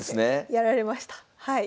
やられましたはい。